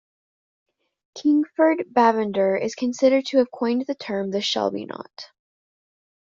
Kingford Bavender is considered to have coined the term the "Shelby" knot.